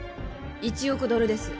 １億ドルです